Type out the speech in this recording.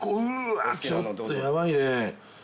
◆ちょっとやばいね。